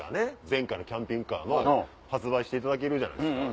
前回のキャンピングカーの発売していただけるじゃないですか。